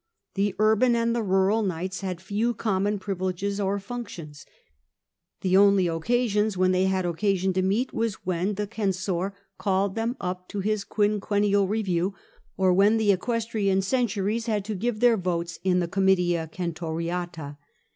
The urban and the rural knights had few common privileges or functions. The only occasions when they had occasion to meet was when the censor called them up to his quinquennial review, or when the equestrian centuries had to give their vote in the Comitia Centuriata.